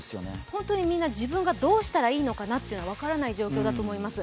本当にみんな自分がどうしたらいいのかなというのが分からない状況だと思います。